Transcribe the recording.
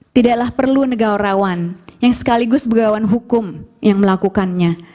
tidaklah perlu negara rawan yang sekaligus pegawai hukum yang melakukannya